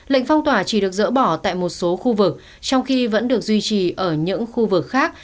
lệnh phong tỏa chỉ được dỡ bỏ tại một số khu vực trong khi vẫn được duy trì ở những khu vực khác